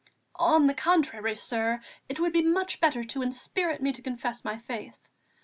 "On the contrary, sir, it would be much better to inspirit me to confess my faith.